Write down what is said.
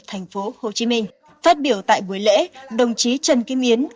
thành phố hồ chí minh phát biểu tại buổi lễ đồng chí trần kim yến